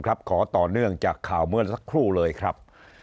ขอต่อเนื่องจากข่าวเมื่อสักครู่เลยครับ